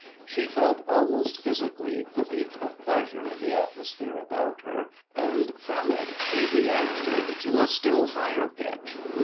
She felt almost physically the beat of pleasure in the atmosphere about her, and from it she reacted to a still higher pitch.